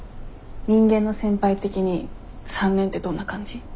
人間の先輩的に３年ってどんな感じ？